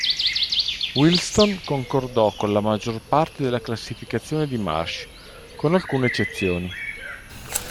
Williston concordò con la maggior parte della classificazione di Marsh, con alcune eccezioni.